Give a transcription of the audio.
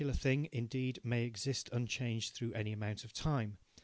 A particular thing, indeed, may exist unchanged through any amount of time.